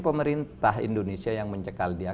pemerintah indonesia yang mencekal dia